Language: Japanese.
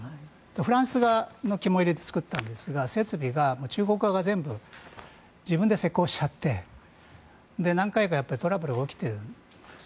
フランスの肝煎りで作ったんですが設備が中国側が全部自分で施工しちゃって何回かトラブルが起きているんです。